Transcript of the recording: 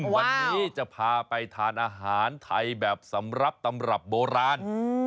วันนี้จะพาไปทานอาหารไทยแบบสำหรับตำรับโบราณ